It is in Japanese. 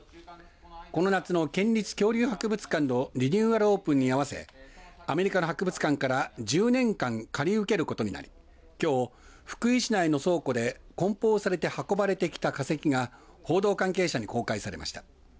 この夏の県立恐竜博物館のリニューアルオープンに合わせアメリカの博物館から１０年間借り受けることになり、きょう福井市内の倉庫でこん包されて運ばれてきた化石が報道関係者に公開されました。